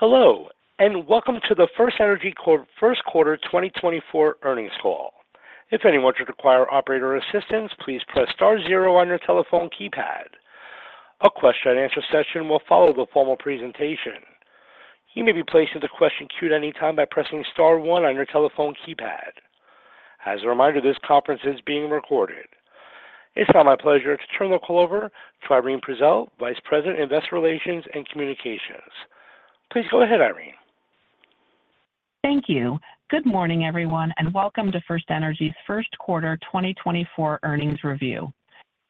Hello, and welcome to the FirstEnergy Corp. first quarter 2024 earnings call. If anyone should require operator assistance, please press Star zero on your telephone keypad. A question-and-answer session will follow the formal presentation. You may be placed into question queue at any time by pressing Star one on your telephone keypad. As a reminder, this conference is being recorded. It's now my pleasure to turn the call over to Irene Prezelj, Vice President, Investor Relations and Communications. Please go ahead, Irene. Thank you. Good morning, everyone, and welcome to FirstEnergy's first quarter 2024 earnings review.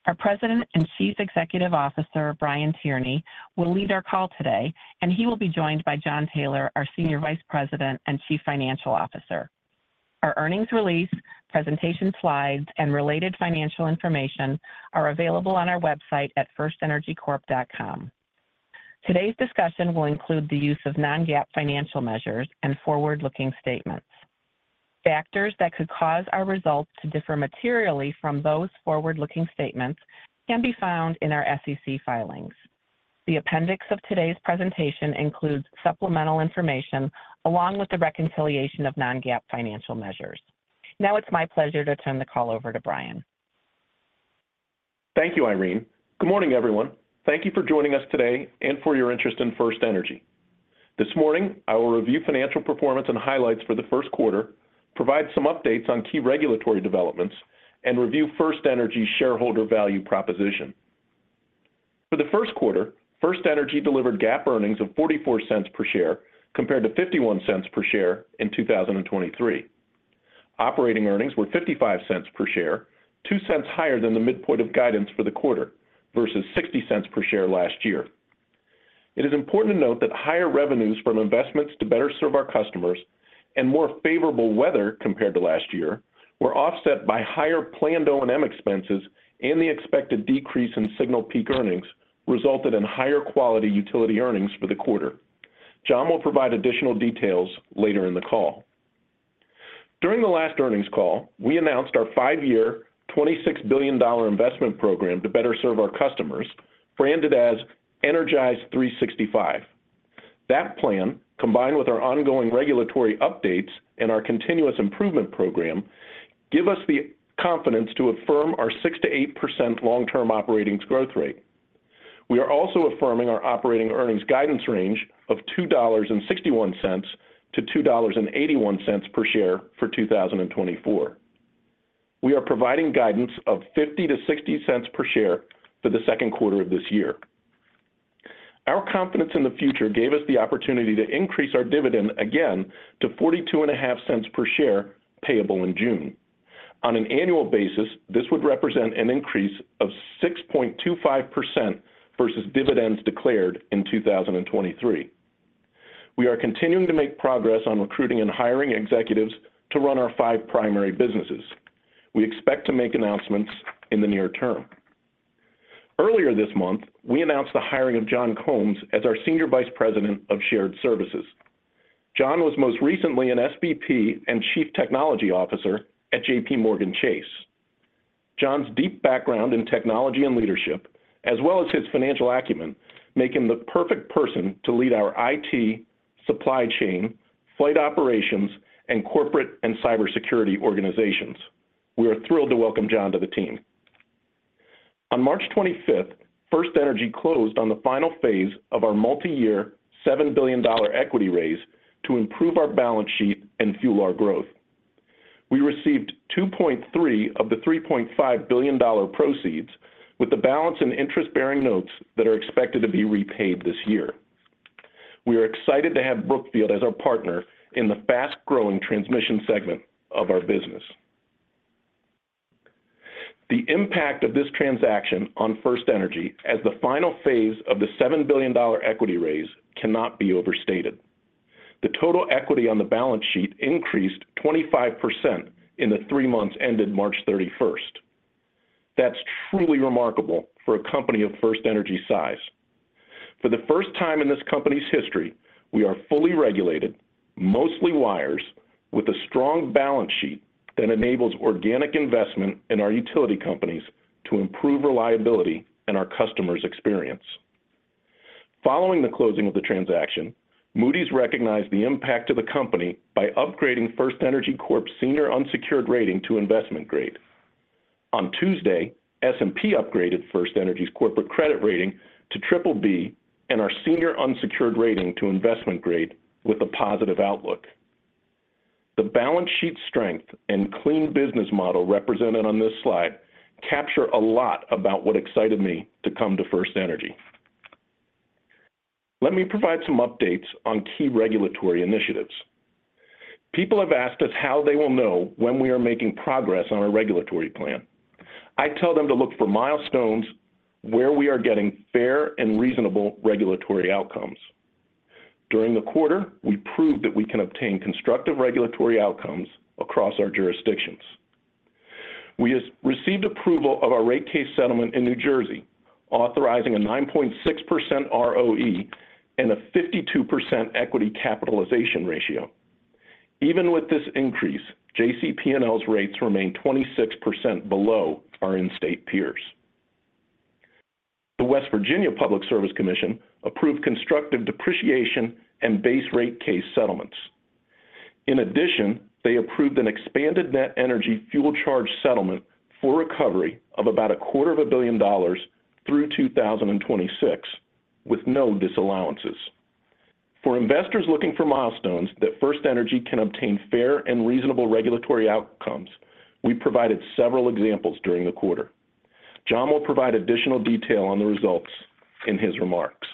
Our President and Chief Executive Officer, Brian Tierney, will lead our call today, and he will be joined by Jon Taylor, our Senior Vice President and Chief Financial Officer. Our earnings release, presentation slides, and related financial information are available on our website at firstenergycorp.com. Today's discussion will include the use of non-GAAP financial measures and forward-looking statements. Factors that could cause our results to differ materially from those forward-looking statements can be found in our SEC filings. The appendix of today's presentation includes supplemental information along with the reconciliation of non-GAAP financial measures. Now it's my pleasure to turn the call over to Brian. Thank you, Irene. Good morning, everyone. Thank you for joining us today and for your interest in FirstEnergy. This morning, I will review financial performance and highlights for the first quarter, provide some updates on key regulatory developments, and review FirstEnergy's shareholder value proposition. For the first quarter, FirstEnergy delivered GAAP earnings of $0.44 per share compared to $0.51 per share in 2023. Operating earnings were $0.55 per share, $0.02 higher than the midpoint of guidance for the quarter versus $0.60 per share last year. It is important to note that higher revenues from investments to better serve our customers and more favorable weather compared to last year were offset by higher planned O&M expenses and the expected decrease in Signal Peak earnings resulted in higher quality utility earnings for the quarter. Jon will provide additional details later in the call. During the last earnings call, we announced our five-year, $26 billion investment program to better serve our customers, branded as Energize365. That plan, combined with our ongoing regulatory updates and our continuous improvement program, gives us the confidence to affirm our 6%-8% long-term operating growth rate. We are also affirming our operating earnings guidance range of $2.61-$2.81 per share for 2024. We are providing guidance of $0.50-$0.60 per share for the second quarter of this year. Our confidence in the future gave us the opportunity to increase our dividend again to $0.425 per share payable in June. On an annual basis, this would represent an increase of 6.25% versus dividends declared in 2023. We are continuing to make progress on recruiting and hiring executives to run our five primary businesses. We expect to make announcements in the near-term. Earlier this month, we announced the hiring of John Combs as our Senior Vice President of Shared Services. John was most recently an SVP and Chief Technology Officer at JPMorgan Chase. John's deep background in technology and leadership, as well as his financial acumen, make him the perfect person to lead our IT, supply chain, flight operations, and corporate and cybersecurity organizations. We are thrilled to welcome John to the team. On March 25th, FirstEnergy closed on the final phase of our multi-year, $7 billion equity raise to improve our balance sheet and fuel our growth. We received $2.3 billion of the $3.5 billion proceeds, with the balance in interest-bearing notes that are expected to be repaid this year. We are excited to have Brookfield as our partner in the fast-growing transmission segment of our business. The impact of this transaction on FirstEnergy as the final phase of the $7 billion equity raise cannot be overstated. The total equity on the balance sheet increased 25% in the three months ended March 31st. That's truly remarkable for a company of FirstEnergy size. For the first time in this company's history, we are fully regulated, mostly wires, with a strong balance sheet that enables organic investment in our utility companies to improve reliability and our customers' experience. Following the closing of the transaction, Moody's recognized the impact to the company by upgrading FirstEnergy Corp.'s senior unsecured rating to investment grade. On Tuesday, S&P upgraded FirstEnergy's corporate credit rating to BBB and our senior unsecured rating to investment grade with a positive outlook. The balance sheet strength and clean business model represented on this slide capture a lot about what excited me to come to FirstEnergy. Let me provide some updates on key regulatory initiatives. People have asked us how they will know when we are making progress on our regulatory plan. I tell them to look for milestones where we are getting fair and reasonable regulatory outcomes. During the quarter, we proved that we can obtain constructive regulatory outcomes across our jurisdictions. We received approval of our rate case settlement in New Jersey, authorizing a 9.6% ROE and a 52% equity capitalization ratio. Even with this increase, JCP&L's rates remain 26% below our in-state peers. The West Virginia Public Service Commission approved constructive depreciation and base rate case settlements. In addition, they approved an expanded net energy fuel charge settlement for recovery of about $250 million through 2026, with no disallowances. For investors looking for milestones that FirstEnergy can obtain fair and reasonable regulatory outcomes, we provided several examples during the quarter. Jon will provide additional detail on the results in his remarks.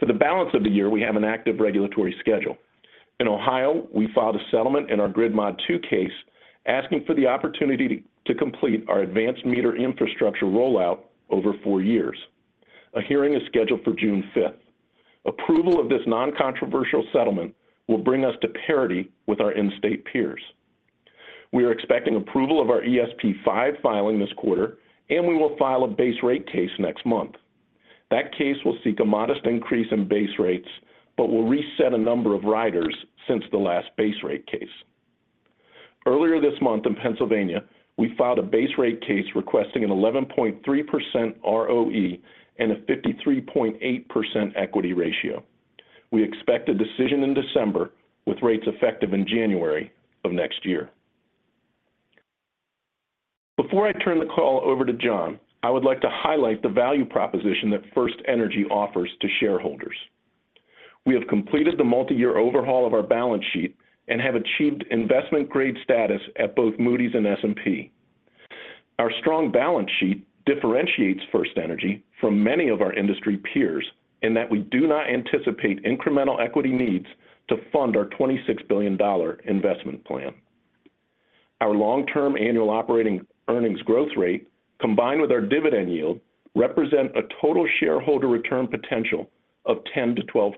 For the balance of the year, we have an active regulatory schedule. In Ohio, we filed a settlement in our Grid Mod II case asking for the opportunity to complete our advanced meter infrastructure rollout over four years. A hearing is scheduled for June 5th. Approval of this non-controversial settlement will bring us to parity with our in-state peers. We are expecting approval of our ESP V filing this quarter, and we will file a base rate case next month. That case will seek a modest increase in base rates but will reset a number of riders since the last base rate case. Earlier this month in Pennsylvania, we filed a base rate case requesting an 11.3% ROE and a 53.8% equity ratio. We expect a decision in December with rates effective in January of next year. Before I turn the call over to Jon, I would like to highlight the value proposition that FirstEnergy offers to shareholders. We have completed the multi-year overhaul of our balance sheet and have achieved investment grade status at both Moody's and S&P. Our strong balance sheet differentiates FirstEnergy from many of our industry peers in that we do not anticipate incremental equity needs to fund our $26 billion investment plan. Our long-term annual operating earnings growth rate, combined with our dividend yield, represents a total shareholder return potential of 10%-12%.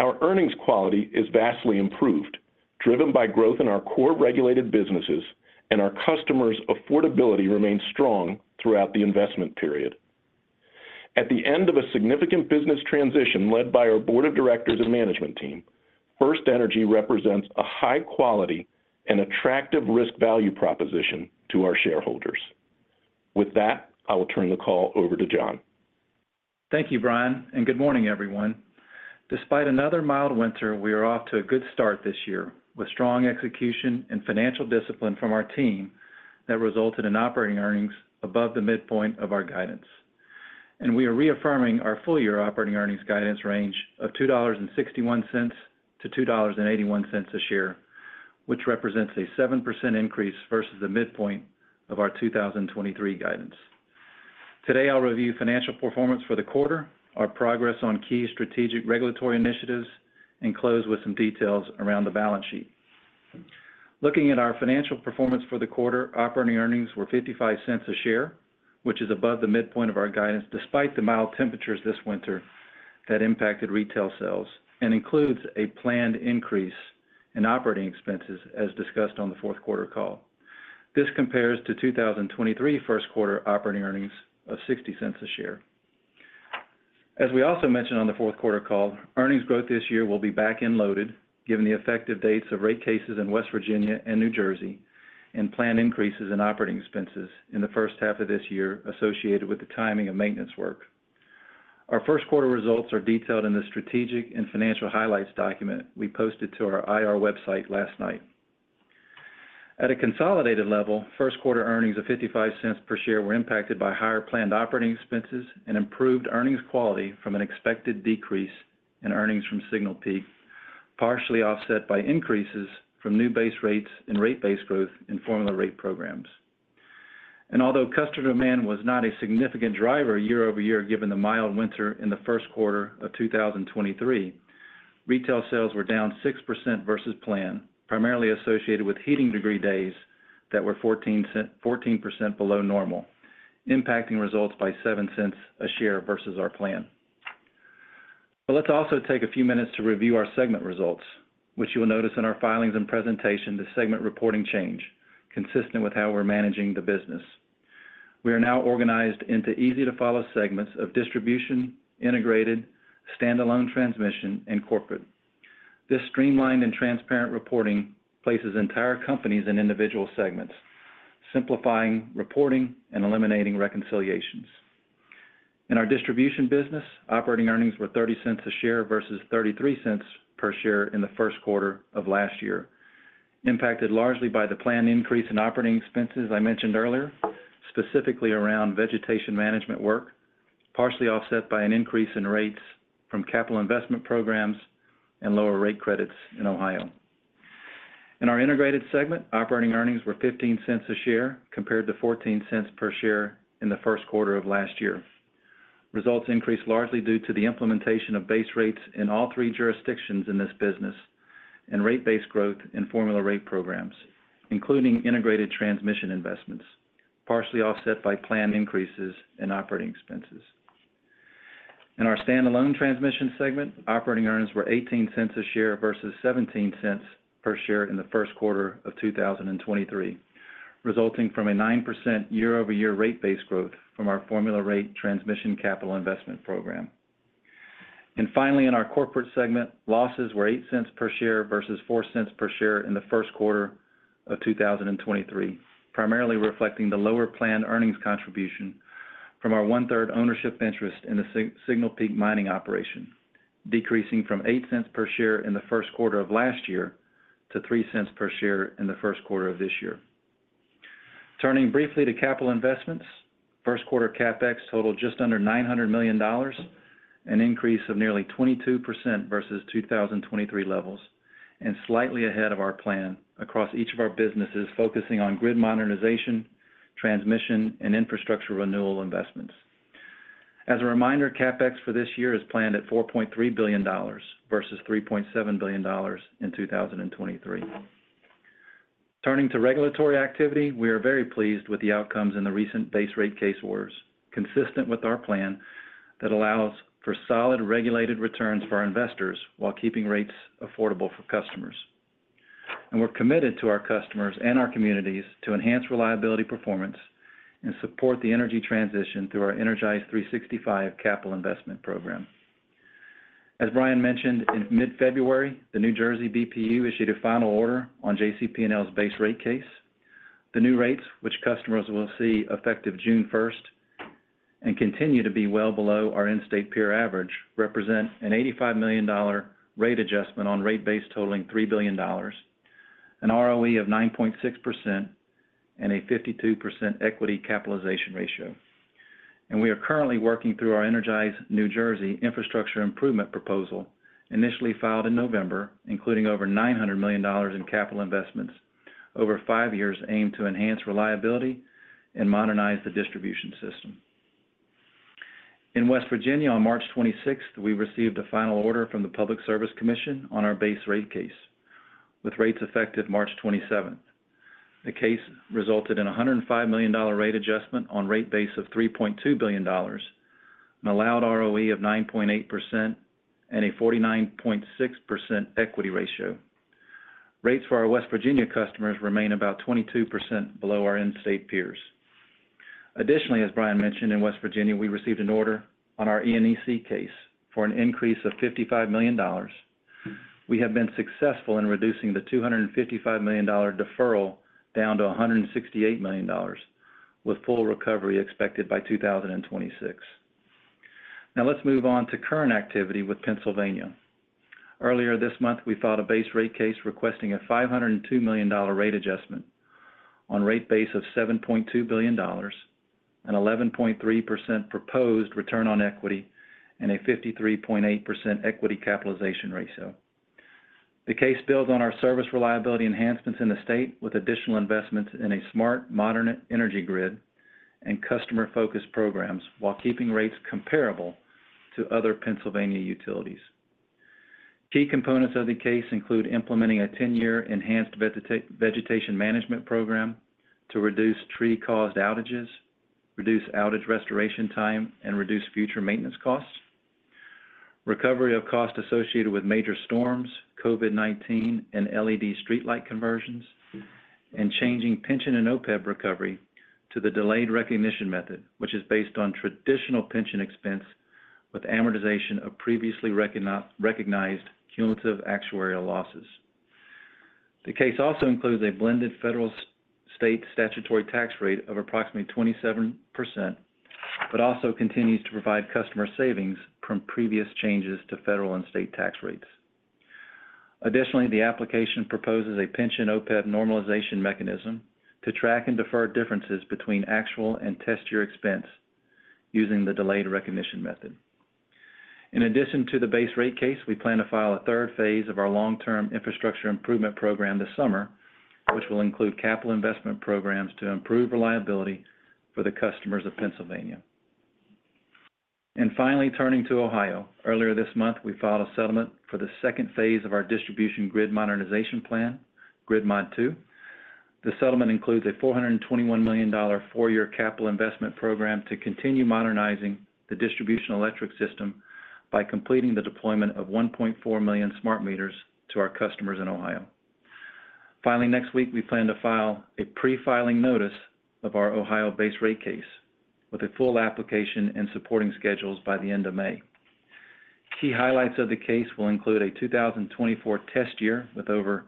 Our earnings quality is vastly improved, driven by growth in our core regulated businesses, and our customers' affordability remains strong throughout the investment period. At the end of a significant business transition led by our Board of Directors and Management team, FirstEnergy represents a high-quality and attractive risk-value proposition to our shareholders. With that, I will turn the call over to Jon. Thank you, Brian, and good morning, everyone. Despite another mild winter, we are off to a good start this year with strong execution and financial discipline from our team that resulted in operating earnings above the midpoint of our guidance. We are reaffirming our full-year operating earnings guidance range of $2.61-$2.81 a share, which represents a 7% increase versus the midpoint of our 2023 guidance. Today, I'll review financial performance for the quarter, our progress on key strategic regulatory initiatives, and close with some details around the balance sheet. Looking at our financial performance for the quarter, operating earnings were $0.55 a share, which is above the midpoint of our guidance despite the mild temperatures this winter that impacted retail sales, and includes a planned increase in operating expenses as discussed on the fourth quarter call. This compares to 2023 first quarter operating earnings of $0.60 per share. As we also mentioned on the fourth quarter call, earnings growth this year will be back-loaded given the effective dates of rate cases in West Virginia and New Jersey and planned increases in operating expenses in the first half of this year associated with the timing of maintenance work. Our first quarter results are detailed in the strategic and financial highlights document we posted to our IR website last night. At a consolidated level, first quarter earnings of $0.55 per share were impacted by higher planned operating expenses and improved earnings quality from an expected decrease in earnings from Signal Peak, partially offset by increases from new base rates and rate-based growth in formula rate programs. Although customer demand was not a significant driver year-over-year given the mild winter in the first quarter of 2023, retail sales were down 6% versus plan, primarily associated with heating degree days that were 14% below normal, impacting results by $0.07 a share versus our plan. Let's also take a few minutes to review our segment results, which you will notice in our filings and presentation, the segment reporting change, consistent with how we're managing the business. We are now organized into easy-to-follow segments of Distribution, Integrated, Standalone Transmission, and Corporate. This streamlined and transparent reporting places entire companies in individual segments, simplifying reporting and eliminating reconciliations. In our Distribution business, operating earnings were $0.30 a share versus $0.33 per share in the first quarter of last year, impacted largely by the planned increase in operating expenses I mentioned earlier, specifically around vegetation management work, partially offset by an increase in rates from capital investment programs and lower rate credits in Ohio. In our Integrated segment, operating earnings were $0.15 a share compared to $0.14 per share in the first quarter of last year. Results increased largely due to the implementation of base rates in all three jurisdictions in this business and rate-based growth in formula rate programs, including integrated transmission investments, partially offset by planned increases in operating expenses. In our Standalone Transmission segment, operating earnings were $0.18 per share versus $0.17 per share in the first quarter of 2023, resulting from a 9% year-over-year rate-based growth from our formula rate transmission capital investment program. Finally, in our Corporate segment, losses were $0.08 per share versus $0.04 per share in the first quarter of 2023, primarily reflecting the lower planned earnings contribution from our one-third ownership interest in the Signal Peak mining operation, decreasing from $0.08 per share in the first quarter of last year to $0.03 per share in the first quarter of this year. Turning briefly to capital investments, first quarter CapEx totaled just under $900 million, an increase of nearly 22% versus 2023 levels, and slightly ahead of our plan across each of our businesses focusing on grid modernization, transmission, and infrastructure renewal investments. As a reminder, CapEx for this year is planned at $4.3 billion versus $3.7 billion in 2023. Turning to regulatory activity, we are very pleased with the outcomes in the recent base rate case orders, consistent with our plan that allows for solid regulated returns for our investors while keeping rates affordable for customers. We're committed to our customers and our communities to enhance reliability performance and support the energy transition through our Energize365 capital investment program. As Brian mentioned, in mid-February, the New Jersey BPU issued a final order on JCP&L's base rate case. The new rates, which customers will see effective June 1st and continue to be well below our in-state peer average, represent an $85 million rate adjustment on rate base totaling $3 billion, an ROE of 9.6%, and a 52% equity capitalization ratio. We are currently working through our Energize New Jersey infrastructure improvement proposal, initially filed in November, including over $900 million in capital investments over five years aimed to enhance reliability and modernize the distribution system. In West Virginia, on March 26th, we received a final order from the Public Service Commission on our base rate case, with rates effective March 27th. The case resulted in a $105 million rate adjustment on rate base of $3.2 billion, an allowed ROE of 9.8%, and a 49.6% equity ratio. Rates for our West Virginia customers remain about 22% below our in-state peers. Additionally, as Brian mentioned, in West Virginia, we received an order on our ENEC case for an increase of $55 million. We have been successful in reducing the $255 million deferral down to $168 million, with full recovery expected by 2026. Now, let's move on to current activity with Pennsylvania. Earlier this month, we filed a base rate case requesting a $502 million rate adjustment on rate base of $7.2 billion, an 11.3% proposed return on equity, and a 53.8% equity capitalization ratio. The case builds on our service reliability enhancements in the state with additional investments in a smart, modern energy grid and customer-focused programs while keeping rates comparable to other Pennsylvania utilities. Key components of the case include implementing a 10-year enhanced vegetation management program to reduce tree-caused outages, reduce outage restoration time, and reduce future maintenance costs, recovery of costs associated with major storms, COVID-19 and LED streetlight conversions, and changing pension and OPEB recovery to the delayed recognition method, which is based on traditional pension expense with amortization of previously recognized cumulative actuarial losses. The case also includes a blended federal-state statutory tax rate of approximately 27% but also continues to provide customer savings from previous changes to federal and state tax rates. Additionally, the application proposes a pension OPEB normalization mechanism to track and defer differences between actual and test-year expense using the delayed recognition method. In addition to the base rate case, we plan to file a third phase of our long-term infrastructure improvement program this summer, which will include capital investment programs to improve reliability for the customers of Pennsylvania. Finally, turning to Ohio, earlier this month, we filed a settlement for the second phase of our distribution grid modernization plan, Grid Mod II. The settlement includes a $421 million four-year capital investment program to continue modernizing the distribution electric system by completing the deployment of 1.4 million smart meters to our customers in Ohio. Finally, next week, we plan to file a pre-filing notice of our Ohio base rate case with a full application and supporting schedules by the end of May. Key highlights of the case will include a 2024 test year with over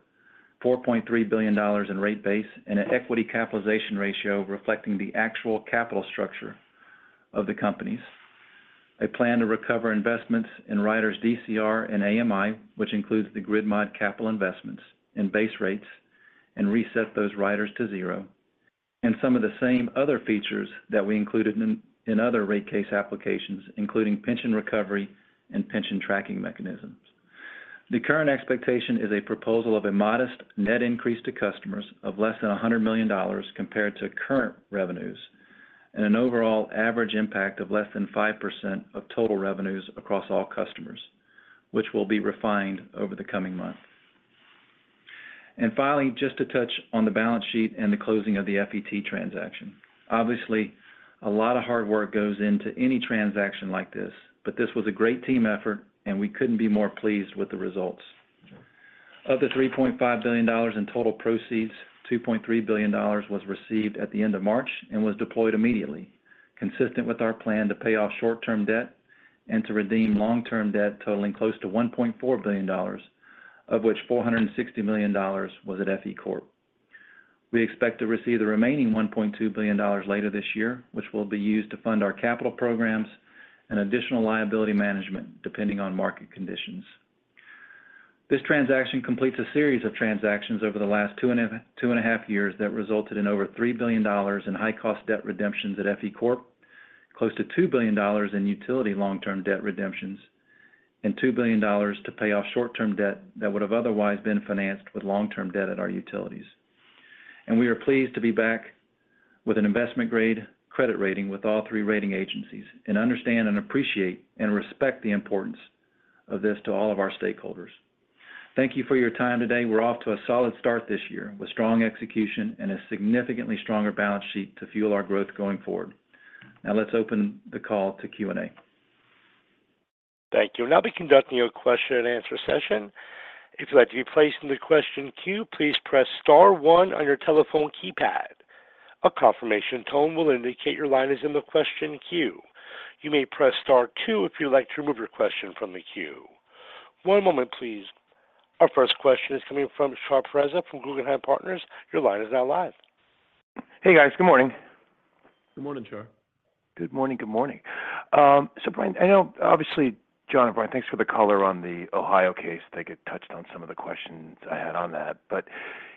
$4.3 billion in rate base and an equity capitalization ratio reflecting the actual capital structure of the companies, a plan to recover investments in riders DCR and AMI, which includes the Grid Mod capital investments and base rates, and reset those riders to zero, and some of the same other features that we included in other rate case applications, including pension recovery and pension tracking mechanisms. The current expectation is a proposal of a modest net increase to customers of less than $100 million compared to current revenues and an overall average impact of less than 5% of total revenues across all customers, which will be refined over the coming months. Finally, just to touch on the balance sheet and the closing of the FET transaction. Obviously, a lot of hard work goes into any transaction like this, but this was a great team effort, and we couldn't be more pleased with the results. Of the $3.5 billion in total proceeds, $2.3 billion was received at the end of March and was deployed immediately, consistent with our plan to pay off short-term debt and to redeem long-term debt totaling close to $1.4 billion, of which $460 million was at FE Corp. We expect to receive the remaining $1.2 billion later this year, which will be used to fund our capital programs and additional liability management depending on market conditions. This transaction completes a series of transactions over the last two and a half years that resulted in over $3 billion in high-cost debt redemptions at FE Corp., close to $2 billion in utility long-term debt redemptions, and $2 billion to pay off short-term debt that would have otherwise been financed with long-term debt at our utilities. We are pleased to be back with an investment-grade credit rating with all three rating agencies and understand and appreciate and respect the importance of this to all of our stakeholders. Thank you for your time today. We're off to a solid start this year with strong execution and a significantly stronger balance sheet to fuel our growth going forward. Now, let's open the call to Q&A. Thank you. Now, we'll be conducting a question-and-answer session. If you'd like to be placed in the question queue, please press Star one on your telephone keypad. A confirmation tone will indicate your line is in the question queue. You may press Star two if you'd like to remove your question from the queue. One moment, please. Our first question is coming from Shar Pourreza from Guggenheim Partners. Your line is now live. Hey, guys. Good morning. Good morning, Shar. Good morning. Good morning. So, Brian, I know obviously, Jon and Brian, thanks for the color on the Ohio case. I think it touched on some of the questions I had on that. But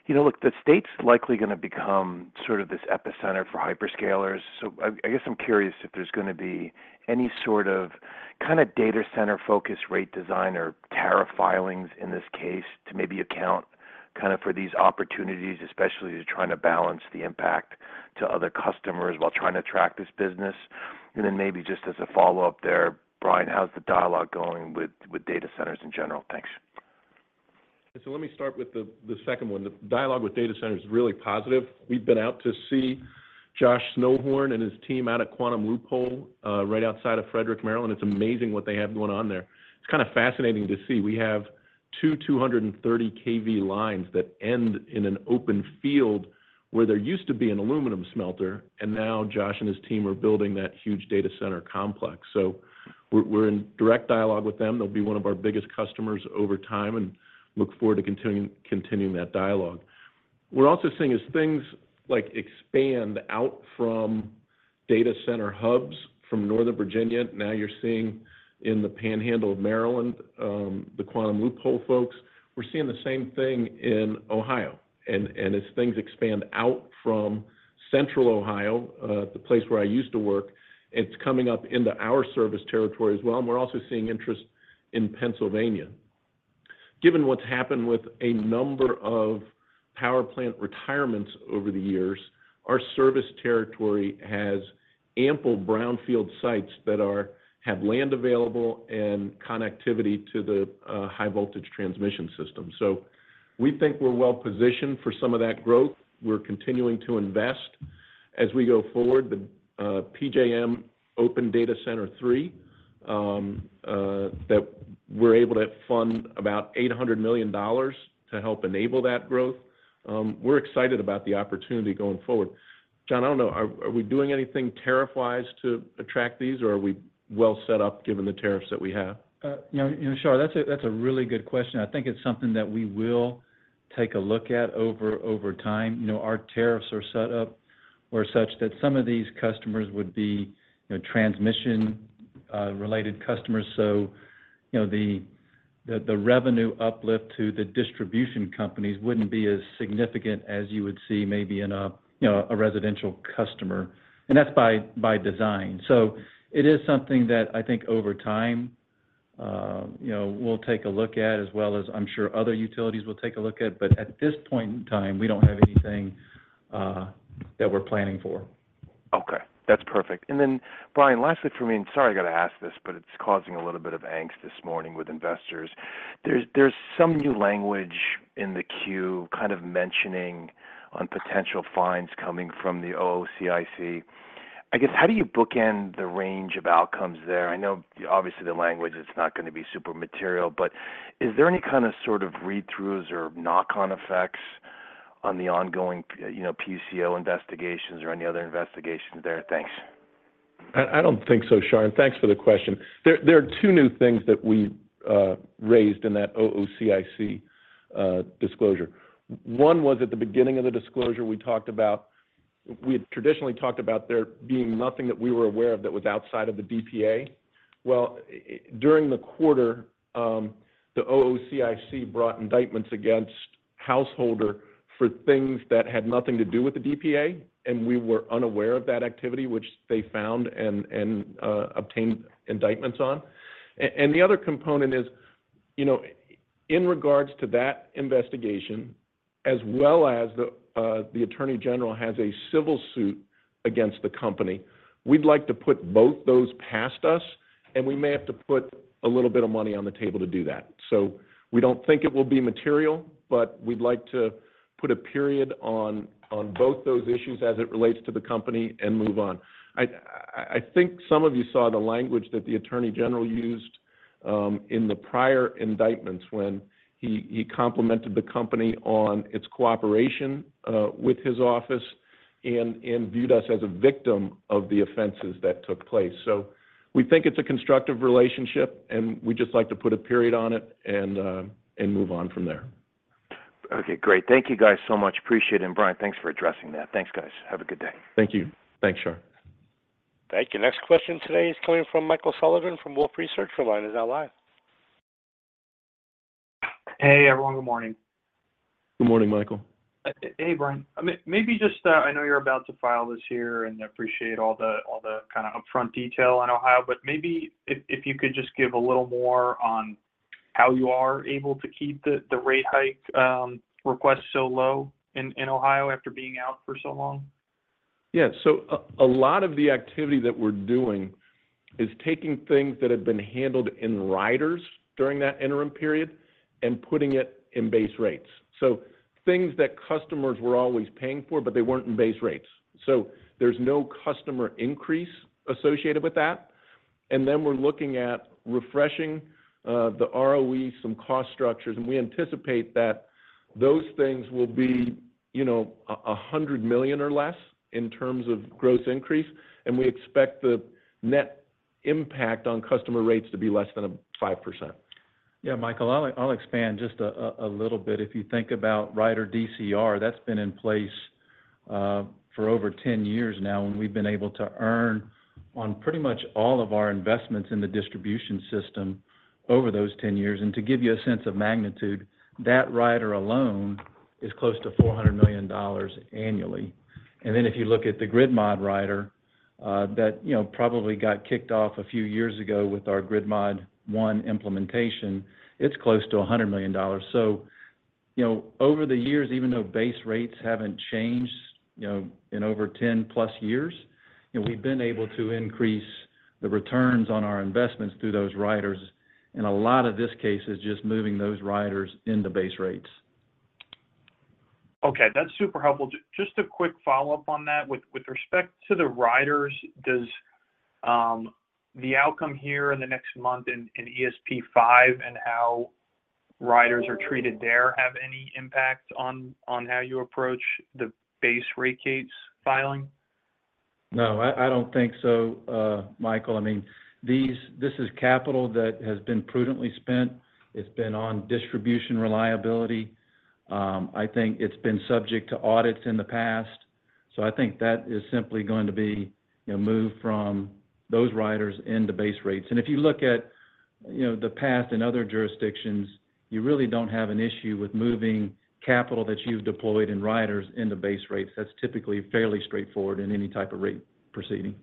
look, the state's likely going to become sort of this epicenter for hyperscalers. So I guess I'm curious if there's going to be any sort of kind of data center-focused rate design or tariff filings in this case to maybe account kind of for these opportunities, especially as you're trying to balance the impact to other customers while trying to track this business. And then maybe just as a follow-up there, Brian, how's the dialogue going with data centers in general? Thanks. So let me start with the second one. The dialogue with data centers is really positive. We've been out to see Josh Snowhorn and his team out at Quantum Loophole right outside of Frederick, Maryland. It's amazing what they have going on there. It's kind of fascinating to see. We have 2 230-kV lines that end in an open field where there used to be an aluminum smelter, and now Josh and his team are building that huge data center complex. So we're in direct dialogue with them. They'll be one of our biggest customers over time and look forward to continuing that dialogue. What we're also seeing is things expand out from data center hubs from Northern Virginia. Now, you're seeing in the panhandle of Maryland the Quantum Loophole folks. We're seeing the same thing in Ohio. As things expand out from Central Ohio, the place where I used to work, it's coming up into our service territory as well. We're also seeing interest in Pennsylvania. Given what's happened with a number of power plant retirements over the years, our service territory has ample brownfield sites that have land available and connectivity to the high-voltage transmission system. We think we're well-positioned for some of that growth. We're continuing to invest. As we go forward, the PJM Open Data Center 3, we're able to fund about $800 million to help enable that growth. We're excited about the opportunity going forward. Jon, I don't know. Are we doing anything tariff-wise to attract these, or are we well set up given the tariffs that we have? Shaw, that's a really good question. I think it's something that we will take a look at over time. Our tariffs are set up where such that some of these customers would be transmission-related customers. So the revenue uplift to the distribution companies wouldn't be as significant as you would see maybe in a residential customer. That's by design. So it is something that I think over time we'll take a look at as well as I'm sure other utilities will take a look at. But at this point in time, we don't have anything that we're planning for. Okay. That's perfect. Then, Brian, lastly for me and sorry I got to ask this, but it's causing a little bit of angst this morning with investors. There's some new language in the queue kind of mentioning on potential fines coming from the OOCIC. I guess, how do you bookend the range of outcomes there? I know, obviously, the language, it's not going to be super material. But is there any kind of sort of read-throughs or knock-on effects on the ongoing PUCO investigations or any other investigations there? Thanks. I don't think so, Shar. Thanks for the question. There are two new things that we raised in that OOCIC disclosure. One was at the beginning of the disclosure, we talked about we had traditionally talked about there being nothing that we were aware of that was outside of the DPA. Well, during the quarter, the OOCIC brought indictments against Householder for things that had nothing to do with the DPA, and we were unaware of that activity, which they found and obtained indictments on. The other component is, in regards to that investigation, as well as the Attorney General has a civil suit against the company, we'd like to put both those past us, and we may have to put a little bit of money on the table to do that. So we don't think it will be material, but we'd like to put a period on both those issues as it relates to the company and move on. I think some of you saw the language that the Attorney General used in the prior indictments when he complimented the company on its cooperation with his office and viewed us as a victim of the offenses that took place. So we think it's a constructive relationship, and we'd just like to put a period on it and move on from there. Okay. Great. Thank you, guys, so much. Appreciate it. And Brian, thanks for addressing that. Thanks, guys. Have a good day. Thank you. Thanks, Shar. Thank you. Next question today is coming from Michael Sullivan from Wolfe Research. Your line is now live. Hey, everyone. Good morning. Good morning, Michael. Hey, Brian. I mean, maybe just I know you're about to file this year and appreciate all the kind of upfront detail in Ohio, but maybe if you could just give a little more on how you are able to keep the rate hike request so low in Ohio after being out for so long? Yeah. So a lot of the activity that we're doing is taking things that had been handled in riders during that interim period and putting it in base rates, so things that customers were always paying for but they weren't in base rates. So there's no customer increase associated with that. And then we're looking at refreshing the ROE, some cost structures. And we anticipate that those things will be $100 million or less in terms of gross increase, and we expect the net impact on customer rates to be less than 5%. Yeah, Michael, I'll expand just a little bit. If you think about rider DCR, that's been in place for over 10 years now, and we've been able to earn on pretty much all of our investments in the distribution system over those 10 years. And to give you a sense of magnitude, that rider alone is close to $400 million annually. And then if you look at the Grid Mod rider that probably got kicked off a few years ago with our Grid Mod I implementation, it's close to $100 million. So over the years, even though base rates haven't changed in over 10+ years, we've been able to increase the returns on our investments through those riders. And a lot of this case is just moving those riders into base rates. Okay. That's super helpful. Just a quick follow-up on that. With respect to the riders, does the outcome here in the next month in ESP V and how riders are treated there have any impact on how you approach the base rate case filing? No, I don't think so, Michael. I mean, this is capital that has been prudently spent. It's been on distribution reliability. I think it's been subject to audits in the past. So I think that is simply going to be moved from those riders into base rates. If you look at the past in other jurisdictions, you really don't have an issue with moving capital that you've deployed in riders into base rates. That's typically fairly straightforward in any type of rate proceeding.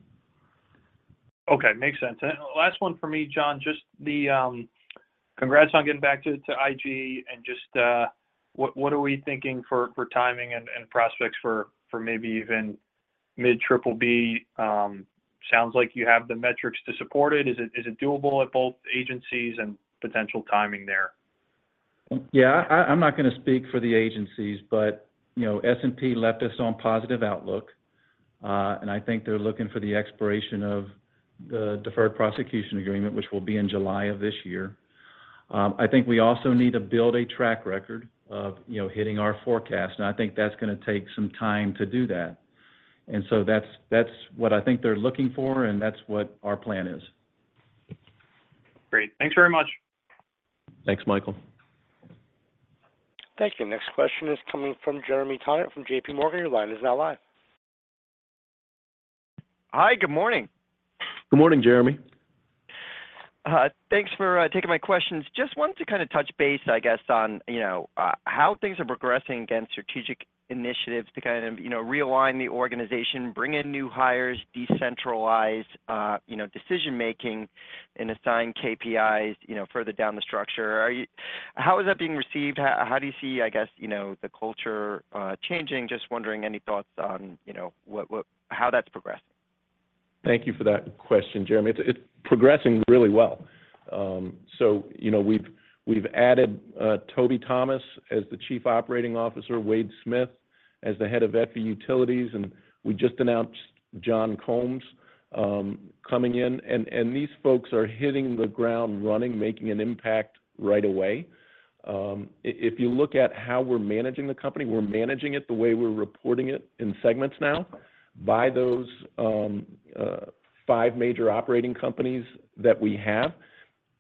Okay. Makes sense. Last one for me, John, just the congrats on getting back to IG. Just what are we thinking for timing and prospects for maybe even mid-BBB? Sounds like you have the metrics to support it. Is it doable at both agencies and potential timing there? Yeah. I'm not going to speak for the agencies, but S&P left us on positive outlook, and I think they're looking for the expiration of the deferred prosecution agreement, which will be in July of this year. I think we also need to build a track record of hitting our forecast, and I think that's going to take some time to do that. And so that's what I think they're looking for, and that's what our plan is. Great. Thanks very much. Thanks, Michael. Thank you. Next question is coming from Jeremy Tonet from JPMorgan. Your line is now live. Hi. Good morning. Good morning, Jeremy. Thanks for taking my questions. Just wanted to kind of touch base, I guess, on how things are progressing against strategic initiatives to kind of realign the organization, bring in new hires, decentralize decision-making, and assign KPIs further down the structure. How is that being received? How do you see, I guess, the culture changing? Just wondering any thoughts on how that's progressing? Thank you for that question, Jeremy. It's progressing really well. So we've added Toby Thomas as the Chief Operating Officer, Wade Smith as the head of FE Utilities, and we just announced John Combs coming in. And these folks are hitting the ground running, making an impact right away. If you look at how we're managing the company, we're managing it the way we're reporting it in segments now by those five major operating companies that we have.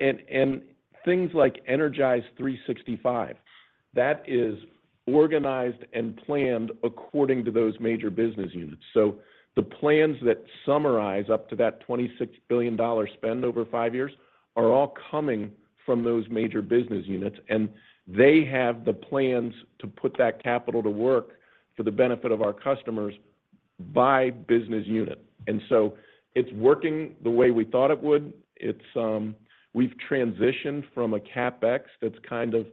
And things like Energize365, that is organized and planned according to those major business units. So the plans that summarize up to that $26 billion spend over five years are all coming from those major business units, and they have the plans to put that capital to work for the benefit of our customers by business unit. And so it's working the way we thought it would. We've transitioned from a CapEx that's kind of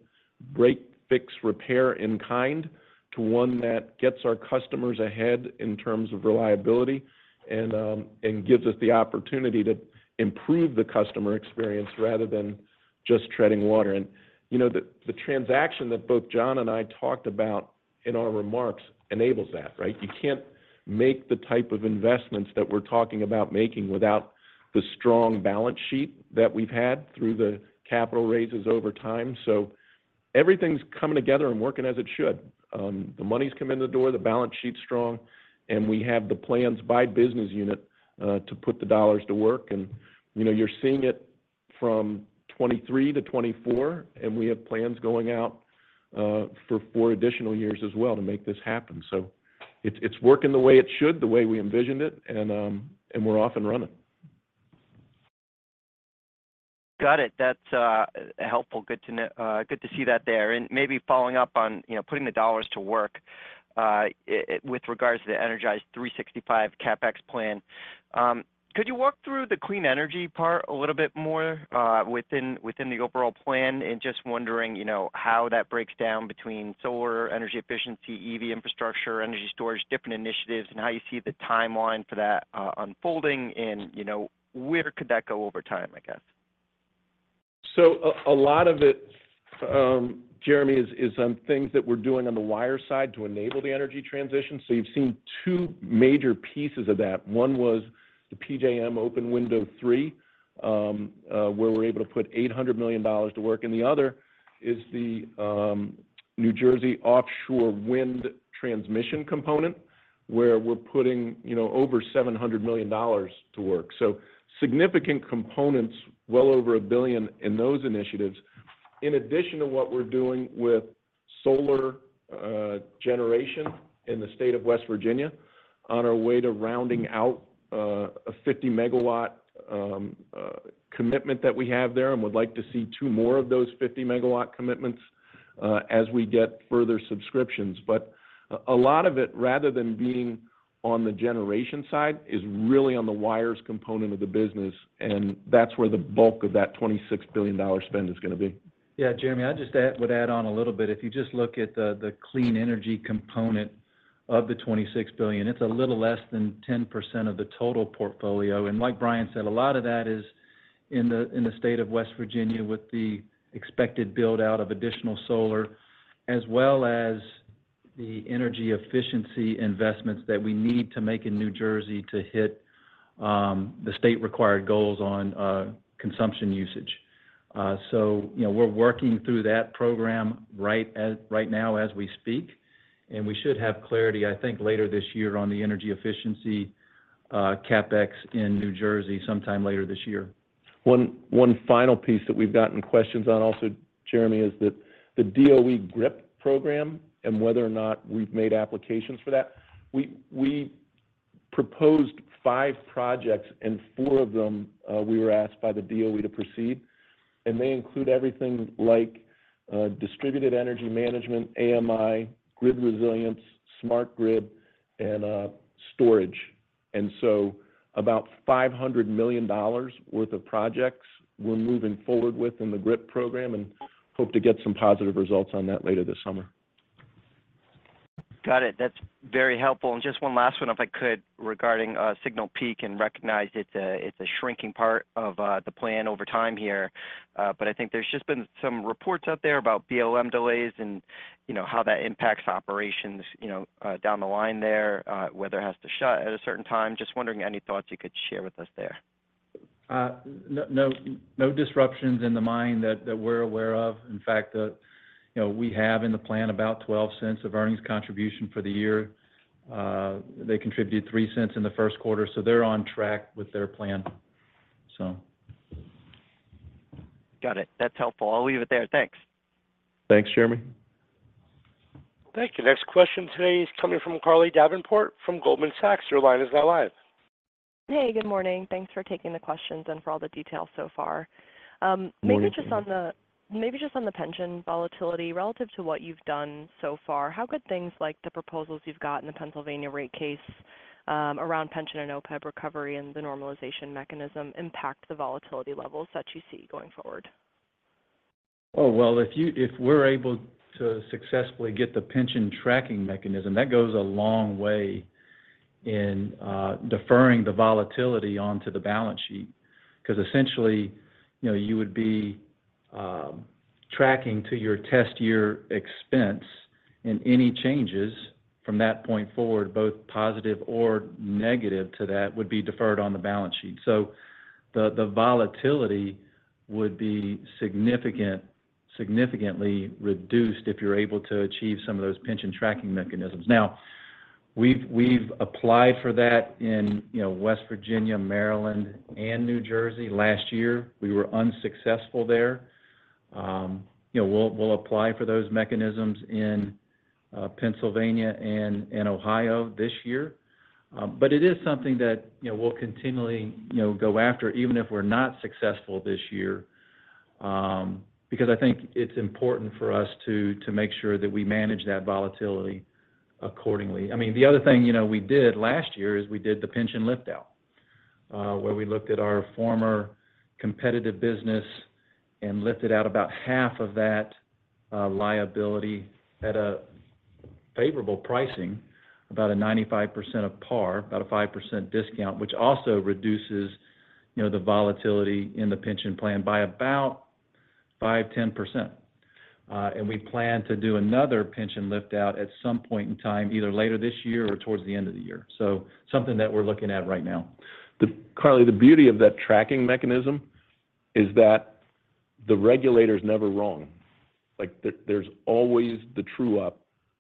break, fix, repair in kind to one that gets our customers ahead in terms of reliability and gives us the opportunity to improve the customer experience rather than just treading water. And the transaction that both Jon and I talked about in our remarks enables that, right? You can't make the type of investments that we're talking about making without the strong balance sheet that we've had through the capital raises over time. So everything's coming together and working as it should. The money's come in the door, the balance sheet's strong, and we have the plans by business unit to put the dollars to work. And you're seeing it from 2023-2024, and we have plans going out for four additional years as well to make this happen. So it's working the way it should, the way we envisioned it, and we're off and running. Got it. That's helpful. Good to see that there. And maybe following up on putting the dollars to work with regards to the Energize365 CapEx plan, could you walk through the clean energy part a little bit more within the overall plan? And just wondering how that breaks down between solar, energy efficiency, EV infrastructure, energy storage, different initiatives, and how you see the timeline for that unfolding, and where could that go over time, I guess? So a lot of it, Jeremy, is on things that we're doing on the wire side to enable the energy transition. So you've seen two major pieces of that. One was the PJM Open Window 3 where we're able to put $800 million to work. And the other is the New Jersey Offshore Wind Transmission component where we're putting over $700 million to work. So significant components, well over $1 billion in those initiatives, in addition to what we're doing with solar generation in the state of West Virginia on our way to rounding out a 50 MW commitment that we have there and would like to see two more of those 50 MW commitments as we get further subscriptions. But a lot of it, rather than being on the generation side, is really on the wires component of the business, and that's where the bulk of that $26 billion spend is going to be. Yeah, Jeremy, I just would add on a little bit. If you just look at the clean energy component of the $26 billion, it's a little less than 10% of the total portfolio. And like Brian said, a lot of that is in the state of West Virginia with the expected buildout of additional solar as well as the energy efficiency investments that we need to make in New Jersey to hit the state-required goals on consumption usage. So we're working through that program right now as we speak, and we should have clarity, I think, later this year on the energy efficiency CapEx in New Jersey sometime later this year. One final piece that we've gotten questions on also, Jeremy, is the DOE GRIP program and whether or not we've made applications for that. We proposed 5 projects, and 4 of them we were asked by the DOE to proceed. And they include everything like distributed energy management, AMI, grid resilience, smart grid, and storage. And so about $500 million worth of projects we're moving forward with in the GRIP program and hope to get some positive results on that later this summer. Got it. That's very helpful. And just one last one, if I could, regarding Signal Peak and recognize it's a shrinking part of the plan over time here. But I think there's just been some reports out there about BLM delays and how that impacts operations down the line there, whether it has to shut at a certain time. Just wondering any thoughts you could share with us there. No disruptions in the mine that we're aware of. In fact, we have in the plan about $0.12 of earnings contribution for the year. They contributed $0.03 in the first quarter, so they're on track with their plan, so. Got it. That's helpful. I'll leave it there. Thanks. Thanks, Jeremy. Thank you. Next question today is coming from Carly Davenport from Goldman Sachs. Your line is now live. Hey, good morning. Thanks for taking the questions and for all the detail so far. Maybe just on the pension volatility relative to what you've done so far, how could things like the proposals you've got in the Pennsylvania rate case around pension and OPEB recovery and the normalization mechanism impact the volatility levels that you see going forward? Oh, well, if we're able to successfully get the pension tracking mechanism, that goes a long way in deferring the volatility onto the balance sheet because essentially, you would be tracking to your test year expense, and any changes from that point forward, both positive or negative to that, would be deferred on the balance sheet. So the volatility would be significantly reduced if you're able to achieve some of those pension tracking mechanisms. Now, we've applied for that in West Virginia, Maryland, and New Jersey last year. We were unsuccessful there. We'll apply for those mechanisms in Pennsylvania and Ohio this year. But it is something that we'll continually go after even if we're not successful this year because I think it's important for us to make sure that we manage that volatility accordingly. I mean, the other thing we did last year is we did the pension liftout where we looked at our former competitive business and lifted out about half of that liability at a favorable pricing, about a 95% par, about a 5% discount, which also reduces the volatility in the pension plan by about 5%-10%. And we plan to do another pension liftout at some point in time, either later this year or towards the end of the year. So something that we're looking at right now. Carly, the beauty of that tracking mechanism is that the regulator's never wrong. There's always the true up.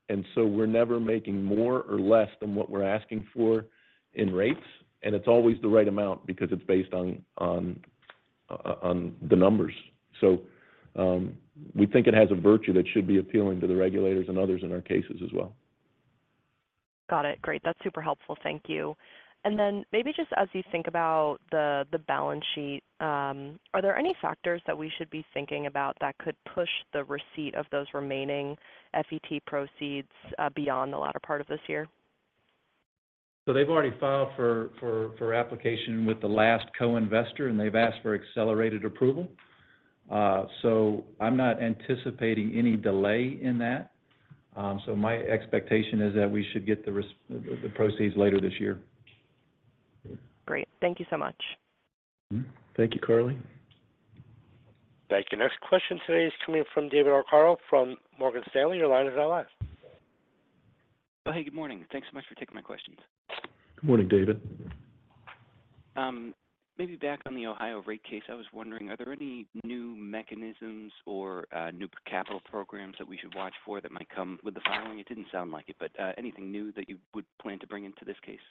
And so we're never making more or less than what we're asking for in rates, and it's always the right amount because it's based on the numbers. So we think it has a virtue that should be appealing to the regulators and others in our cases as well. Got it. Great. That's super helpful. Thank you. And then maybe just as you think about the balance sheet, are there any factors that we should be thinking about that could push the receipt of those remaining FET proceeds beyond the latter part of this year? They've already filed for application with the last co-investor, and they've asked for accelerated approval. I'm not anticipating any delay in that. My expectation is that we should get the proceeds later this year. Great. Thank you so much. Thank you, Carly. Thank you. Next question today is coming from David Arcaro from Morgan Stanley. Your line is now live. Oh, hey. Good morning. Thanks so much for taking my questions. Good morning, David. Maybe back on the Ohio rate case, I was wondering, are there any new mechanisms or new capital programs that we should watch for that might come with the filing? It didn't sound like it, but anything new that you would plan to bring into this case?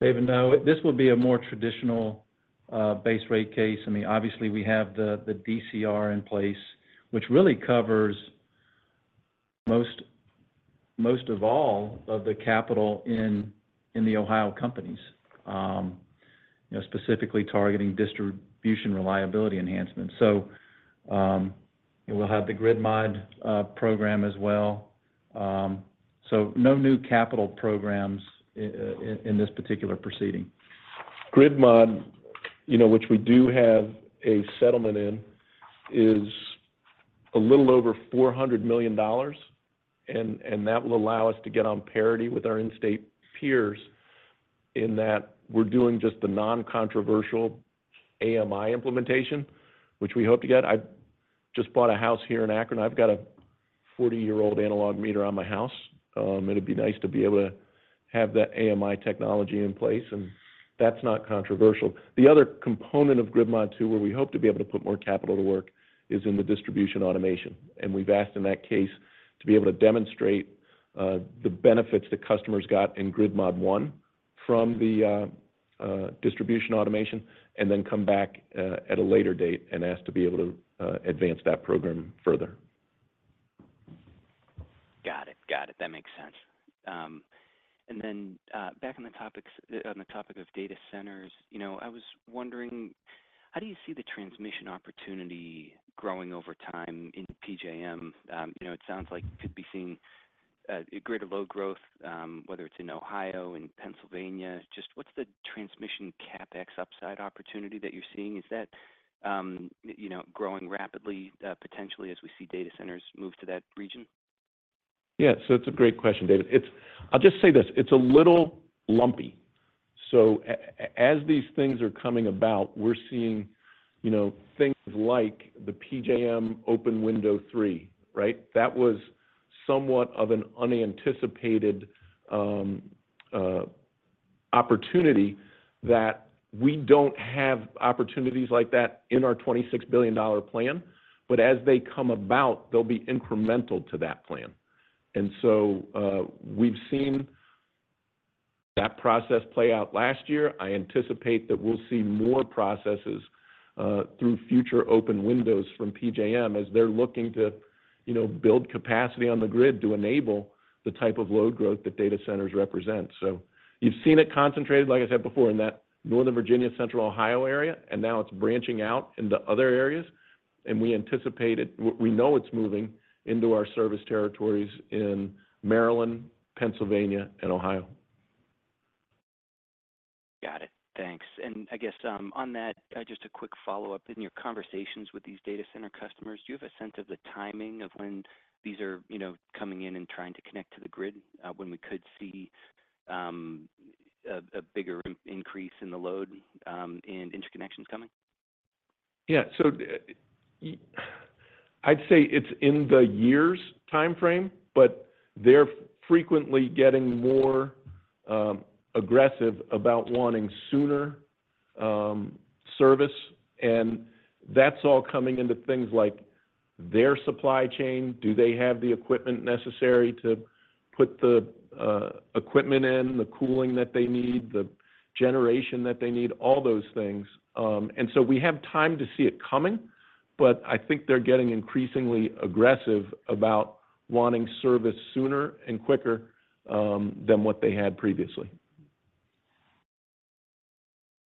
David, no. This will be a more traditional-based rate case. I mean, obviously, we have the DCR in place, which really covers most of all of the capital in the Ohio companies, specifically targeting distribution reliability enhancements. So we'll have the Grid Mod program as well. So no new capital programs in this particular proceeding. Grid Mod, which we do have a settlement in, is a little over $400 million, and that will allow us to get on parity with our in-state peers in that we're doing just the non-controversial AMI implementation, which we hope to get. I just bought a house here in Akron. I've got a 40-year-old analog meter on my house. It would be nice to be able to have that AMI technology in place, and that's not controversial. The other component of Grid Mod II where we hope to be able to put more capital to work is in the distribution automation. We've asked in that case to be able to demonstrate the benefits the customers got in Grid Mod I from the distribution automation and then come back at a later date and ask to be able to advance that program further. Got it. Got it. That makes sense. And then back on the topic of data centers, I was wondering, how do you see the transmission opportunity growing over time in PJM? It sounds like you could be seeing greater load growth, whether it's in Ohio, in Pennsylvania. Just what's the transmission CapEx upside opportunity that you're seeing? Is that growing rapidly, potentially, as we see data centers move to that region? Yeah. So it's a great question, David. I'll just say this. It's a little lumpy. So as these things are coming about, we're seeing things like the PJM Open Window 3, right? That was somewhat of an unanticipated opportunity that we don't have opportunities like that in our $26 billion plan. But as they come about, they'll be incremental to that plan. And so we've seen that process play out last year. I anticipate that we'll see more processes through future open windows from PJM as they're looking to build capacity on the grid to enable the type of load growth that data centers represent. So you've seen it concentrated, like I said before, in that Northern Virginia, Central Ohio area, and now it's branching out into other areas. And we know it's moving into our service territories in Maryland, Pennsylvania, and Ohio. Got it. Thanks. I guess on that, just a quick follow-up. In your conversations with these data center customers, do you have a sense of the timing of when these are coming in and trying to connect to the grid, when we could see a bigger increase in the load and interconnections coming? Yeah. So I'd say it's in the years timeframe, but they're frequently getting more aggressive about wanting sooner service. And that's all coming into things like their supply chain. Do they have the equipment necessary to put the equipment in, the cooling that they need, the generation that they need, all those things? And so we have time to see it coming, but I think they're getting increasingly aggressive about wanting service sooner and quicker than what they had previously.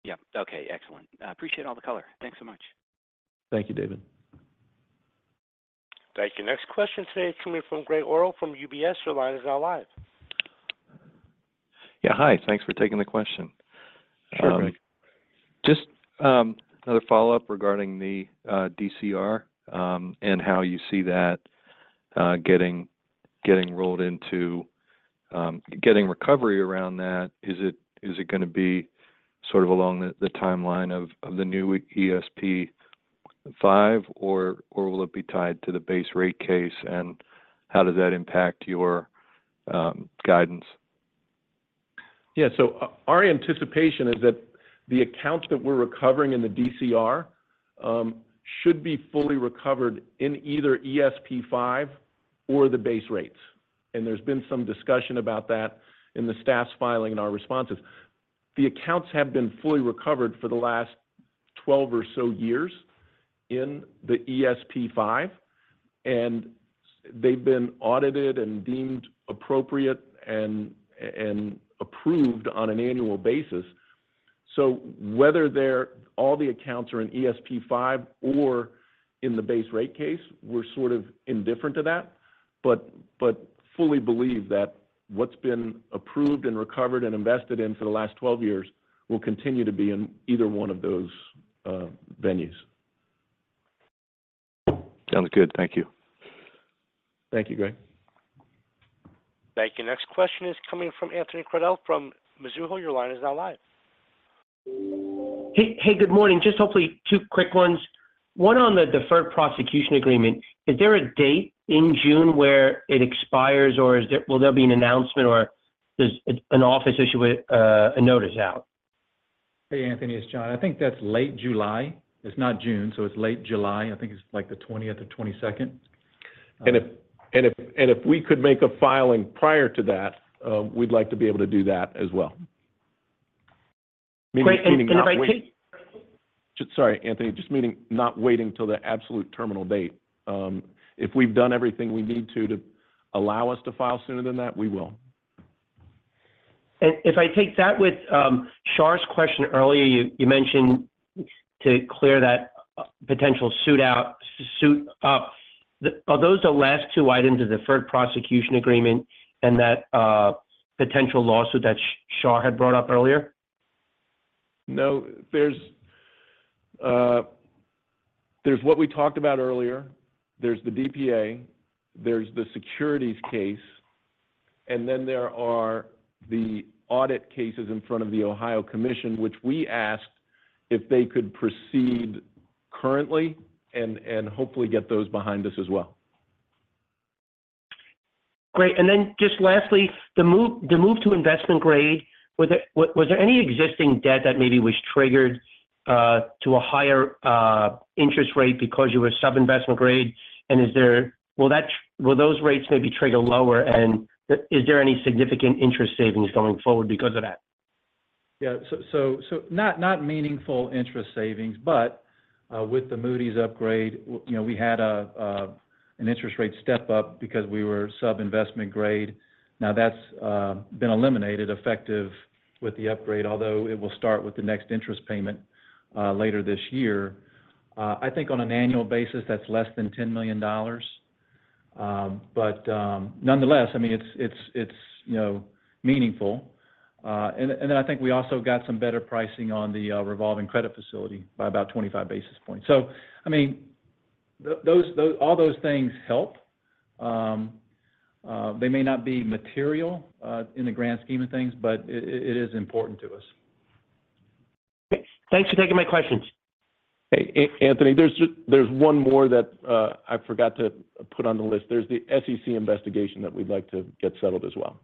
Yeah. Okay. Excellent. I appreciate all the color. Thanks so much. Thank you, David. Thank you. Next question today is coming from Greg Orrill from UBS. Your line is now live. Yeah. Hi. Thanks for taking the question. Sure, Greg. Just another follow-up regarding the DCR and how you see that getting rolled into getting recovery around that. Is it going to be sort of along the timeline of the new ESP V, or will it be tied to the base rate case, and how does that impact your guidance? Yeah. So our anticipation is that the accounts that we're recovering in the DCR should be fully recovered in either ESP V or the base rates. There's been some discussion about that in the staff's filing and our responses. The accounts have been fully recovered for the last 12 or so years in the ESP V, and they've been audited and deemed appropriate and approved on an annual basis. So whether all the accounts are in ESP V or in the base rate case, we're sort of indifferent to that but fully believe that what's been approved and recovered and invested in for the last 12 years will continue to be in either one of those venues. Sounds good. Thank you. Thank you, Greg. Thank you. Next question is coming from Anthony Crowdell from Mizuho. Your line is now live. Hey, good morning. Just hopefully two quick ones. One on the deferred prosecution agreement. Is there a date in June where it expires, or will there be an announcement, or is an office issuing a notice out? Hey, Anthony. It's Jon. I think that's late July. It's not June, so it's late July. I think it's the 20th or 22nd. If we could make a filing prior to that, we'd like to be able to do that as well. Meaning not waiting. Great. And if I take. Sorry, Anthony. Just meaning not waiting till the absolute terminal date. If we've done everything we need to allow us to file sooner than that, we will. If I take that with Shar's question earlier, you mentioned to clear that potential lawsuit up. Are those the last two items of the deferred prosecution agreement and that potential lawsuit that Shar had brought up earlier? No. There's what we talked about earlier. There's the DPA. There's the securities case. And then there are the audit cases in front of the Ohio Commission, which we asked if they could proceed currently and hopefully get those behind us as well. Great. And then just lastly, the move to Investment Grade, was there any existing debt that maybe was triggered to a higher interest rate because you were sub-Investment Grade? And will those rates maybe trigger lower? And is there any significant interest savings going forward because of that? Yeah. So not meaningful interest savings, but with the Moody's upgrade, we had an interest rate step up because we were sub-investment grade. Now, that's been eliminated effective with the upgrade, although it will start with the next interest payment later this year. I think on an annual basis, that's less than $10 million. But nonetheless, I mean, it's meaningful. And then I think we also got some better pricing on the revolving credit facility by about 25 basis points. So I mean, all those things help. They may not be material in the grand scheme of things, but it is important to us. Okay. Thanks for taking my questions. Hey, Anthony. There's one more that I forgot to put on the list. There's the SEC investigation that we'd like to get settled as well.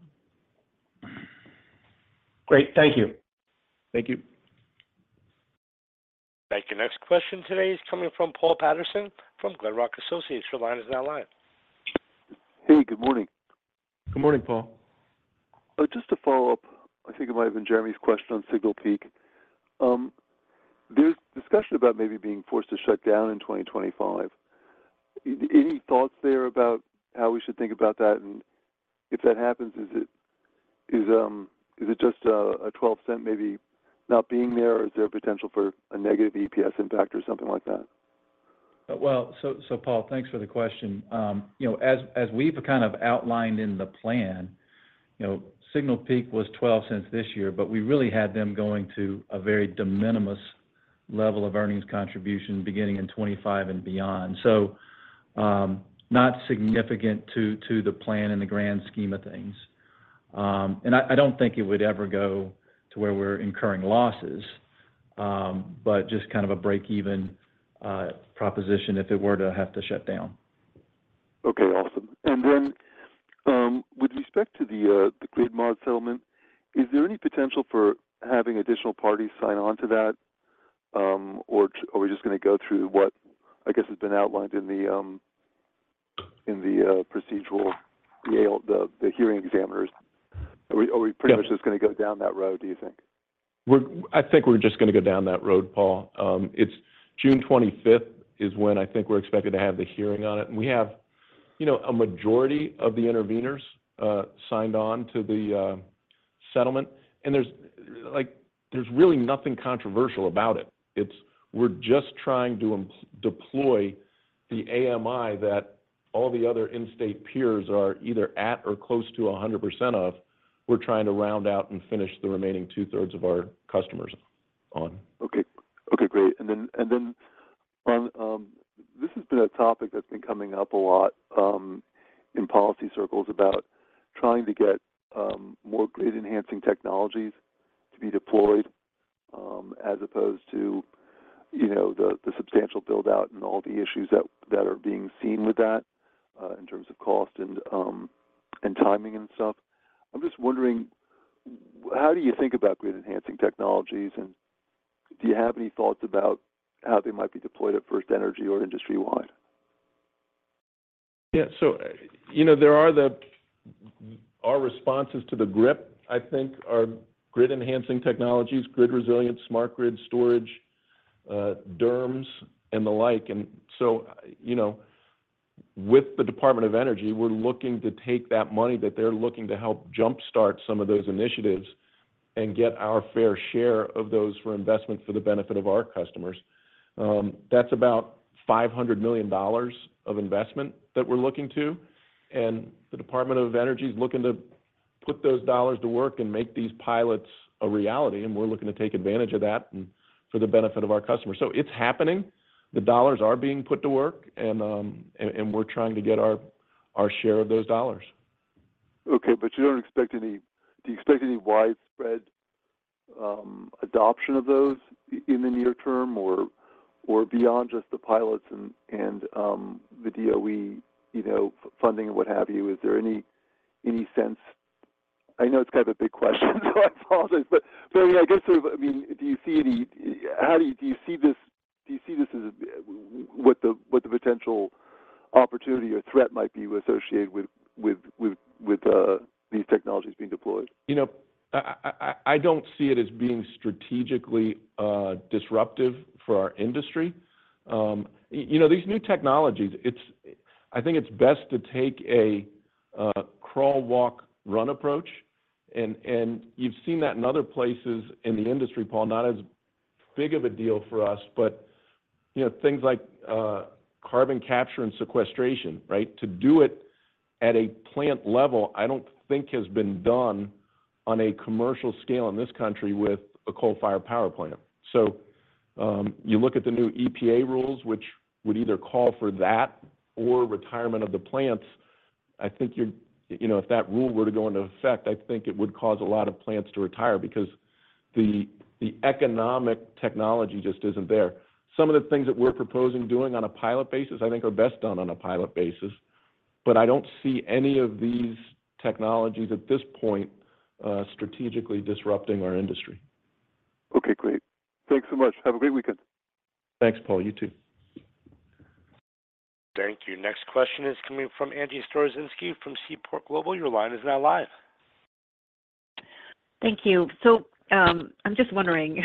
Great. Thank you. Thank you. Thank you. Next question today is coming from Paul Patterson from Glenrock Associates. Your line is now live. Hey. Good morning. Good morning, Paul. Just to follow up, I think it might have been Jeremy's question on Signal Peak. There's discussion about maybe being forced to shut down in 2025. Any thoughts there about how we should think about that? And if that happens, is it just a $0.12 maybe not being there, or is there a potential for a negative EPS impact or something like that? Well, so Paul, thanks for the question. As we've kind of outlined in the plan, Signal Peak was $0.12 this year, but we really had them going to a very de minimis level of earnings contribution beginning in 2025 and beyond. So not significant to the plan and the grand scheme of things. And I don't think it would ever go to where we're incurring losses, but just kind of a break-even proposition if it were to have to shut down. Okay. Awesome. And then with respect to the Grid Mod settlement, is there any potential for having additional parties sign onto that, or are we just going to go through what, I guess, has been outlined in the procedural, the hearing examiners? Are we pretty much just going down that road, do you think? I think we're just going to go down that road, Paul. June 25th is when I think we're expected to have the hearing on it. And we have a majority of the intervenors signed on to the settlement. And there's really nothing controversial about it. We're just trying to deploy the AMI that all the other in-state peers are either at or close to 100% of. We're trying to round out and finish the remaining two-thirds of our customers on. Okay. Okay. Great. And then this has been a topic that's been coming up a lot in policy circles about trying to get more grid-enhancing technologies to be deployed as opposed to the substantial buildout and all the issues that are being seen with that in terms of cost and timing and stuff. I'm just wondering, how do you think about grid-enhancing technologies? And do you have any thoughts about how they might be deployed at FirstEnergy or industry-wide? Yeah. So there are our responses to the GRIP, I think, are grid-enhancing technologies, grid resilience, smart grid storage, DERMS, and the like. And so with the Department of Energy, we're looking to take that money that they're looking to help jump-start some of those initiatives and get our fair share of those for investment for the benefit of our customers. That's about $500 million of investment that we're looking to. And the Department of Energy is looking to put those dollars to work and make these pilots a reality. And we're looking to take advantage of that for the benefit of our customers. So it's happening. The dollars are being put to work, and we're trying to get our share of those dollars. Okay. But you don't expect any, do you expect any widespread adoption of those in the near-term or beyond just the pilots and the DOE funding and what have you? Is there any sense? I know it's kind of a big question, so I apologize. But I guess sort of I mean, do you see any? Do you see this as what the potential opportunity or threat might be associated with these technologies being deployed? I don't see it as being strategically disruptive for our industry. These new technologies, I think it's best to take a crawl, walk, run approach. You've seen that in other places in the industry, Paul, not as big of a deal for us, but things like carbon capture and sequestration, right? To do it at a plant level, I don't think has been done on a commercial scale in this country with a coal-fired power plant. So you look at the new EPA rules, which would either call for that or retirement of the plants. I think if that rule were to go into effect, I think it would cause a lot of plants to retire because the economic technology just isn't there. Some of the things that we're proposing doing on a pilot basis, I think, are best done on a pilot basis. But I don't see any of these technologies at this point strategically disrupting our industry. Okay. Great. Thanks so much. Have a great weekend. Thanks, Paul. You too. Thank you. Next question is coming from Angie Storozynski from Seaport Global. Your line is now live. Thank you. So I'm just wondering.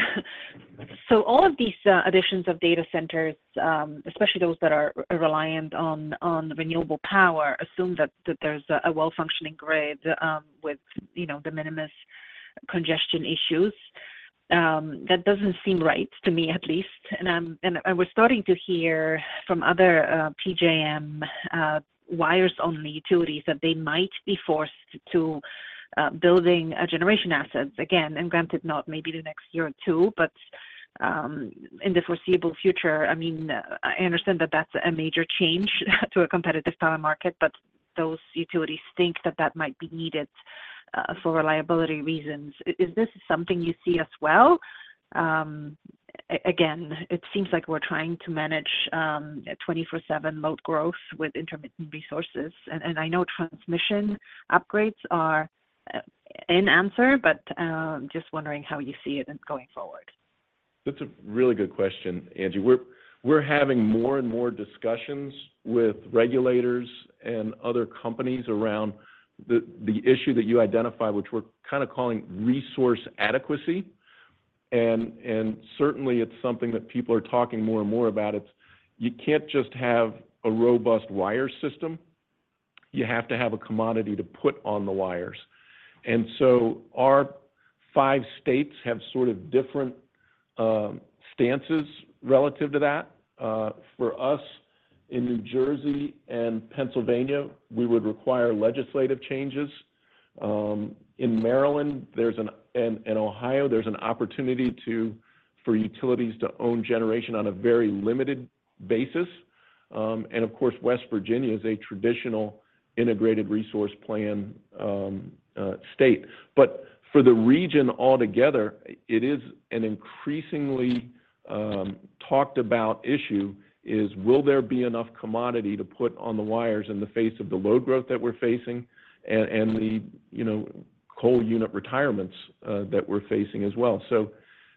So all of these additions of data centers, especially those that are reliant on renewable power, assume that there's a well-functioning grid with de minimis congestion issues. That doesn't seem right to me, at least. And we're starting to hear from other PJM wires-only utilities that they might be forced to building generation assets. Again, and granted, not maybe the next year or two, but in the foreseeable future. I mean, I understand that that's a major change to a competitive power market, but those utilities think that that might be needed for reliability reasons. Is this something you see as well? Again, it seems like we're trying to manage 24/7 load growth with intermittent resources. And I know transmission upgrades are an answer, but just wondering how you see it going forward. That's a really good question, Angie. We're having more and more discussions with regulators and other companies around the issue that you identified, which we're kind of calling resource adequacy. And certainly, it's something that people are talking more and more about. You can't just have a robust wire system. You have to have a commodity to put on the wires. And so our five states have sort of different stances relative to that. For us in New Jersey and Pennsylvania, we would require legislative changes. In Ohio, there's an opportunity for utilities to own generation on a very limited basis. And of course, West Virginia is a traditional integrated resource plan state. But for the region altogether, an increasingly talked-about issue is, will there be enough commodity to put on the wires in the face of the load growth that we're facing and the coal unit retirements that we're facing as well? So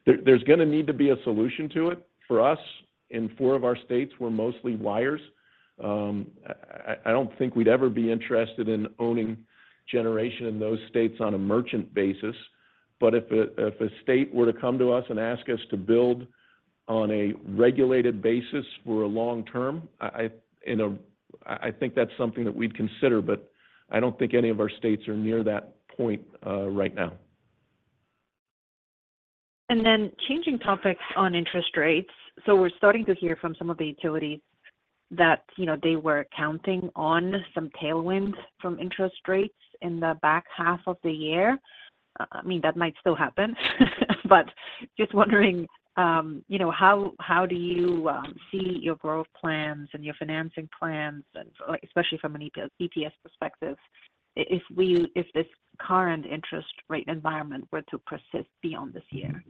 there's going to need to be a solution to it. For us, in four of our states, we're mostly wires. I don't think we'd ever be interested in owning generation in those states on a merchant basis. But if a state were to come to us and ask us to build on a regulated basis for a long term, I think that's something that we'd consider. But I don't think any of our states are near that point right now. And then changing topics on interest rates. So we're starting to hear from some of the utilities that they were counting on some tailwind from interest rates in the back half of the year. I mean, that might still happen. But just wondering, how do you see your growth plans and your financing plans, especially from an EPS perspective, if this current interest rate environment were to persist beyond this year?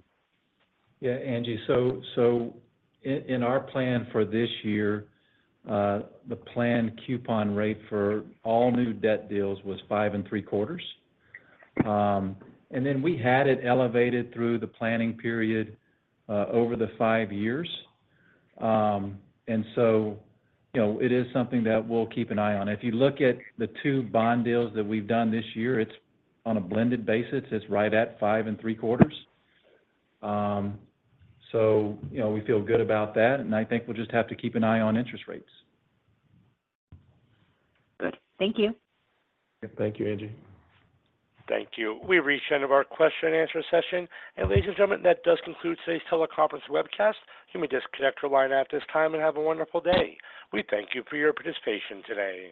Yeah, Angie. So in our plan for this year, the plan coupon rate for all new debt deals was 5.75. And then we had it elevated through the planning period over the 5 years. And so it is something that we'll keep an eye on. If you look at the 2 bond deals that we've done this year, it's on a blended basis. It's right at 5.75. So we feel good about that. And I think we'll just have to keep an eye on interest rates. Good. Thank you. Thank you, Angie. Thank you. We've reached the end of our question-and-answer session. Ladies and gentlemen, that does conclude today's teleconference webcast. You may disconnect your line at this time and have a wonderful day. We thank you for your participation today.